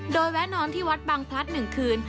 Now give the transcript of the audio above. โดยแวะนอนที่วัดบางพลัด๑คืน